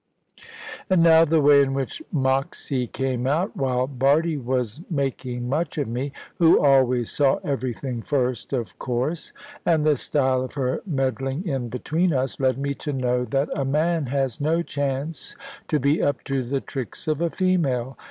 And now the way in which Moxy came out, while Bardie was making much of me (who always saw everything first, of course), and the style of her meddling in between us, led me to know that a man has no chance to be up to the tricks of a female.